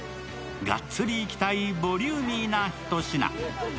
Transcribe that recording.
ガッツリいきたいボリューミーな一品。